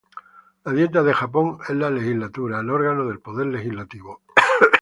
La Dieta de Japón es la legislatura, el órgano del Poder Legislativo.